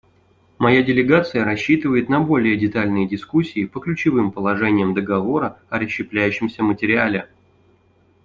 Моя делегация рассчитывает на более детальные дискуссии по ключевым положениям договора о расщепляющемся материале.